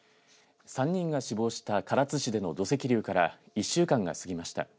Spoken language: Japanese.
３人が死亡した唐津市での土石流から１週間が過ぎました。